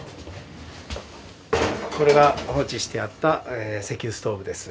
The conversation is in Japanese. これが放置してあった石油ストーブです。